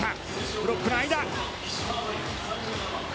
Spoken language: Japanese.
ブロックの間。